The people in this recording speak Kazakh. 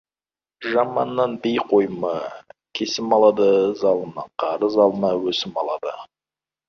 Жаманнан би қойма, кесім алады, залымнан қарыз алма, өсім алады.